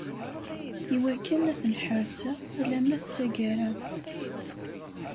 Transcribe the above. Iwakken ad ten-ḥerzeɣ alamma d taggara.